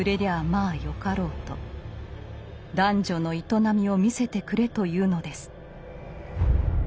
男女の営みを見せてくれと言うのです。